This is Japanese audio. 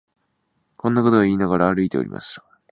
こんなことを言いながら、歩いておりました